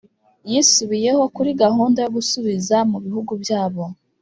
yisubiyeho kuri gahunda yo gusubiza mu bihugu byabo